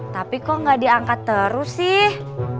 tapi kok gak diangkat terus sih